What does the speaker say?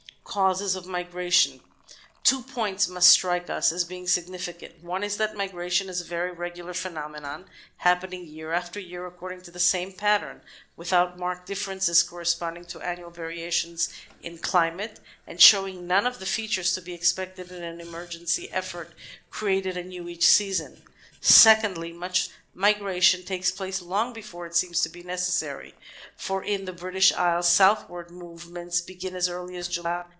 Causes of Migration Two points must strike us as being significant. One is that migration is a very regular phenomenon, happening year after year according to the same pattern, without marked diflferences corresponding to annual variations in climate, and showing none of the features to be expected in an emergency eflfort created anew each season. Secondly, much migration takes place long before it seems to be necessary, for in the British Isles southward move ments begin as early as July.